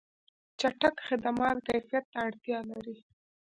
چټک خدمات کیفیت ته اړتیا لري.